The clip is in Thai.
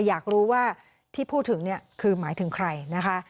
อยากรู้ว่าที่พูดถึงเนี่ยคือหมายถึงใครนะคะ